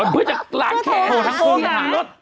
เพื่อจะล้านแขกทั้งทุกอย่าง